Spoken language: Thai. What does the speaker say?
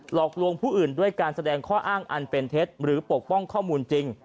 หลอกลวงผู้อื่นด้วยการแสดงข้ออ้างอันเป็นเท็จหรือปกป้องข้อมูลจริง